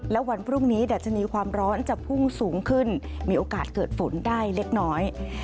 และวันพรุ่งนี้ดัชนีความร้อนจะพุ่งสูงขึ้นมีโอกาสเกิดฝนได้เล็กน้อย